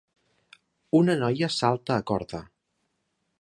Una noia salta a corda.